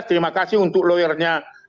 terima kasih untuk lawyernya